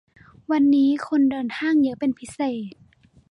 วันนี้คนเดินห้างเยอะเป็นพิเศษ